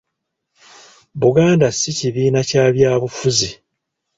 Buganda si kibiina kya byabufuzi